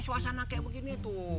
suasana kayak begini tuh